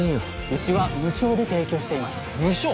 うちは無償で提供しています無償！？